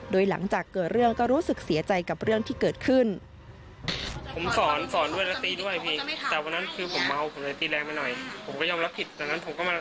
โดยหลังจากเกิดเรื่องก็รู้สึกเสียใจกับเรื่องที่เกิดขึ้น